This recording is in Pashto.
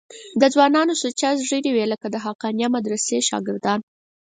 د ځوانانو سوچه ږیرې وې لکه د حقانیه مدرسې شاګردان.